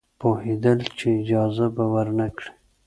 پوهېدل چې اجازه به ورنه کړي.